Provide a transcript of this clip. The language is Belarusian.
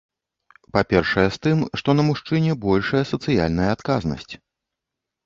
Па-першае, з тым, што на мужчыне большая сацыяльная адказнасць.